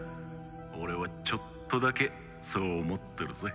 俺はちょっとだけそう思ってるぜ。